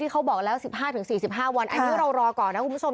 เขาบอกแล้ว๑๕๔๕วันอันนี้เรารอก่อนนะคุณผู้ชม